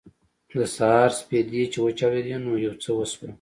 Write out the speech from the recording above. د سهار سپېدې چې وچاودېدې نو یو څه وشول